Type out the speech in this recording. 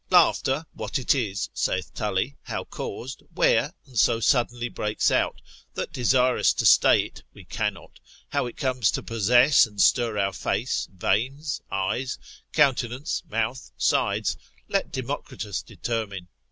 Laughter what it is, saith Tully, how caused, where, and so suddenly breaks out, that desirous to stay it, we cannot, how it comes to possess and stir our face, veins, eyes, countenance, mouth, sides, let Democritus determine.